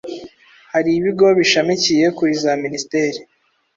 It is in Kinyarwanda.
Hari ibigo bishamikiye kuri za Minisiteri